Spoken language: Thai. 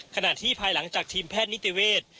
ขณะที่ภายหลังจากทีมแพทย์นิติเวศ